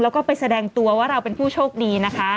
แล้วก็ไปแสดงตัวว่าเราเป็นผู้โชคดีนะคะ